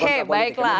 masalah kontrak politik